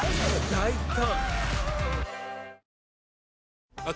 大胆！